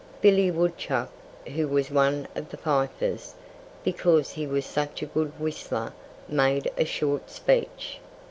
Billy Woodchuck, who was one of the fifers because he was such a good whistler made a short speech.